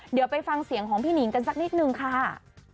เดี๋ยวไปฟังเสียงของพี่หนิงกันสักนิดนึงค่ะ